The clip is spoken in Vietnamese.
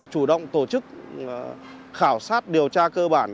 chủ động tổ chức khảo sát điều tra cơ bản